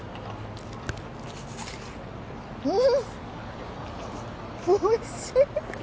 うんおいしい！